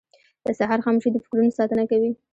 • د سهار خاموشي د فکرونو ساتنه کوي.